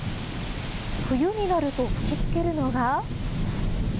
冬になると吹きつけるのが。